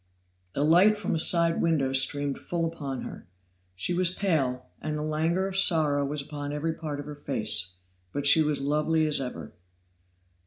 The light from a side window streamed full upon her. She was pale, and the languor of sorrow was upon every part of her face, but she was lovely as ever.